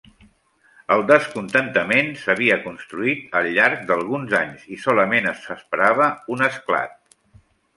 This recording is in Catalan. El descontentament s'havia construït al llarg d'alguns anys, i solament s'esperava un esclat.